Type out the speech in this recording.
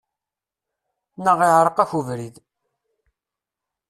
Neɣ iɛereq-ak ubrid!